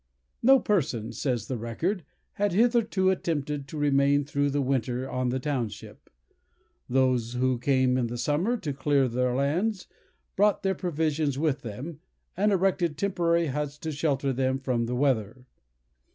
"No person," says the record, "had hitherto attempted to remain through the winter on the township. Those who came in the summer to clear their lands, brought their provisions with them, and erected temporary huts to shelter them from the weather.